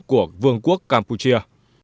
của vương quốc campuchia